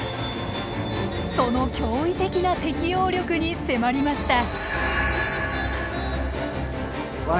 その驚異的な適応力に迫りました。